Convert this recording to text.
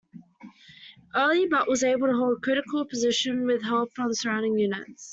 Early, but was able to hold the critical position with help from surrounding units.